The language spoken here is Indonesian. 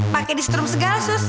pake di setrum segala sus